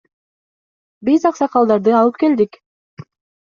Биз аксакалдарды алып келдик.